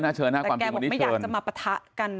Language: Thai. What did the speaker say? แต่แกบอกไม่อยากจะมาปะทะกัน